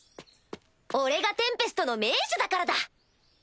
俺がテンペストの盟主だからだ！